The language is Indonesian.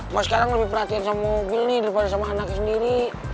mas sekarang lebih perhatian sama mobil nih daripada sama anaknya sendiri